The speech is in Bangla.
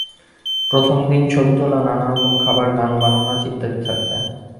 প্রথম দিন ছবি তোলা, নানা রকম খাবার, গান, বানর নাচ ইত্যাদি থাকবে।